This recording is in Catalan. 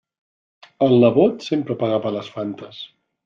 El nebot sempre pagava les Fantes.